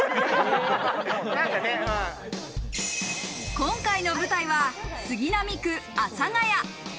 今回の舞台は杉並区阿佐ヶ谷。